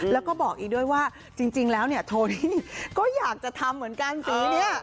แล้วก็บอกอีกด้วยว่าจริงแล้วเนี่ยโทนี่ก็อยากจะทำเหมือนกันสีนี้